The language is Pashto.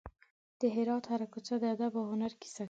د هرات هره کوڅه د ادب او هنر کیسه کوي.